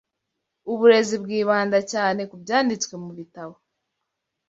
Uburezi bwibanda cyane ku byanditswe mu bitabo